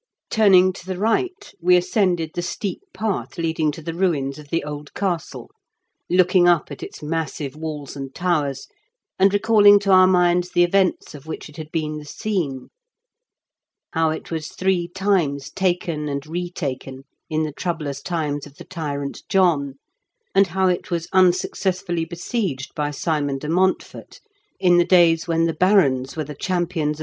Turning to the right, we ascended the steep path leading to the ruins of the old castle, looking up at its massive walls and towers, and recalling to our minds the events of which it had been the scene, — ^how it was three times taken and retaken in the troublous times of the tyrant John, and how it was un successfully besieged by Simon de Montfort, in the days when the barons were the champions TEE 8T0BY OF EDWIN DBOOD.